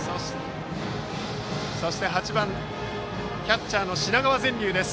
そして８番キャッチャーの品川善琉です。